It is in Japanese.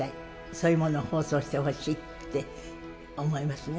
そういうものを放送してほしいって思いますね。